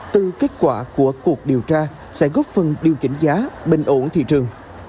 từ kết quả của cuộc điều tra sẽ góp phần điều chỉnh giá bình ổn thị trường